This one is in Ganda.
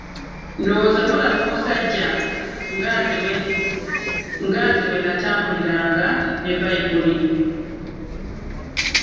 Ndowooza mulaba omusajja nga nze bwe natambulanga ne Bbayibuli!